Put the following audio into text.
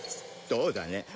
どうだね？